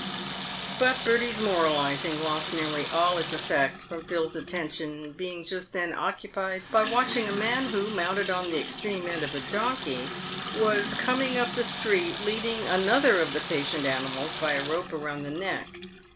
But Bertie's moralising lost nearly all its effect from Phil's atten tion being just then occupied by watching a man who, mounted on the extreme end of a donkey, was coming up the street, leading another of the patient animals by a rope round the neck.